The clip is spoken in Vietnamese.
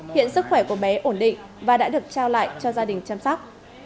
hiện sức khỏe của bé ổn định và đã được trao lại cho gia đình chăm sóc